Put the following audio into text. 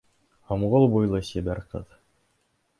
Һомғол буйлы сибәр ҡыҙ!..